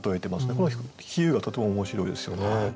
この比喩がとても面白いですよね。